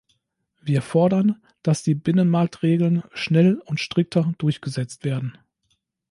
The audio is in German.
Wir fordern, dass die Binnenmarktregeln schnell und strikter durchgesetzt werden.